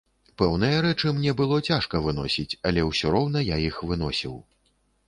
Пэўныя рэчы мне было цяжка выносіць, але ўсе роўна я іх выносіў.